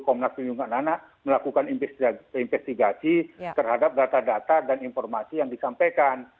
komnas perlindungan anak melakukan investigasi terhadap data data dan informasi yang disampaikan